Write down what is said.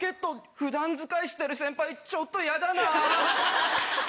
普段使いしてる先輩ちょっと嫌だなぁ。